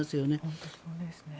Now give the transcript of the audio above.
本当にそうですね。